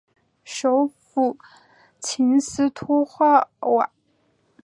首府琴斯托霍瓦。